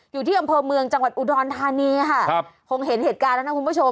อยู่ที่อำเภอเมืองจังหวัดอุดรธานีค่ะครับคงเห็นเหตุการณ์แล้วนะคุณผู้ชม